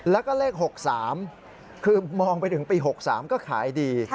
แล้วก็เลขหกสามคือมองไปถึงปีหกสามก็ขายดี